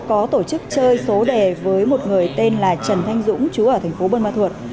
có tổ chức chơi số đề với một người tên là trần thanh dũng chú ở thành phố bôn bà thuật